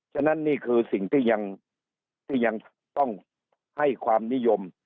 ฉะนั้นนี่คือสิ่งที่ยังต้องให้ความนิยม